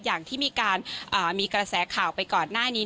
อย่างที่มีการมีกระแสข่าวไปก่อนหน้านี้